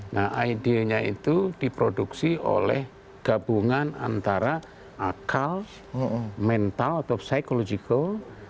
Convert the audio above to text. nah idenya itu diproduksi oleh gabungan antara akal mental atau psychological